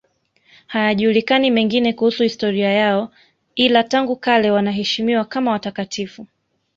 Hayajulikani mengine kuhusu historia yao, ila tangu kale wanaheshimiwa kama watakatifu.